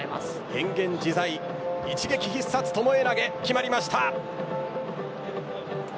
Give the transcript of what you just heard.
変幻自在、一撃必殺巴投が決まりました。